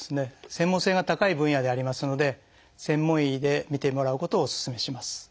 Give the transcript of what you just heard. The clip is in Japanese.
専門性が高い分野でありますので専門医で診てもらうことをお勧めします。